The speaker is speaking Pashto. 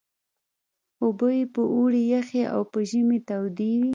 اوبه یې په اوړي یخې او په ژمي تودې وې.